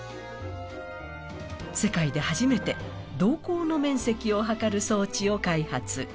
世界で初めて瞳孔の面積をはかる装置を開発。